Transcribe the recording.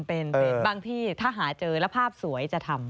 เป็นบางที่ถ้าหาเจอแล้วภาพสวยจะทำ